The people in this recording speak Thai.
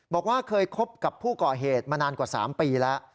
บอกว่าเคยคบกับผู้ก่อเหตุมานานกว่า๓ปีแล้ว